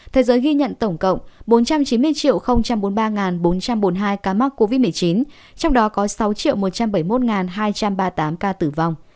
thế giới ghi nhận tổng cộng bốn trăm chín mươi bốn mươi ba bốn trăm bốn mươi hai ca mắc covid một mươi chín trong đó có sáu một trăm bảy mươi một hai trăm ba mươi tám ca tử vong